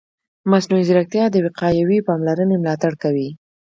مصنوعي ځیرکتیا د وقایوي پاملرنې ملاتړ کوي.